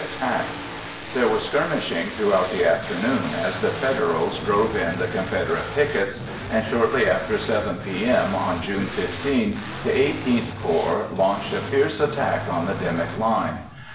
_] There was skirmishing throughout the afternoon as the Federals drove in the Confederate pickets, and shortly after 7 p.m. on June 15 the XVIII Corps launched a fierce attack on the Dimmock Line.